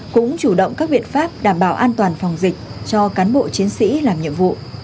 cũng chủ động các biện pháp đảm bảo an toàn phòng dịch cho cán bộ chiến sĩ làm nhiệm vụ